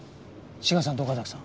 志賀さんと岡崎さん。